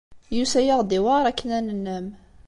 Yusa-aɣ-d yewɛeṛ akken ad nennam.